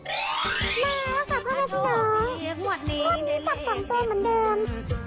ครอบนี้จับ๒ตัวเหมือนเดิม